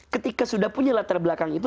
ketika sudah punya latar belakang itu